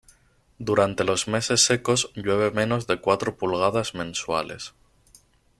Durante los meses secos llueve menos de cuatro pulgadas mensuales.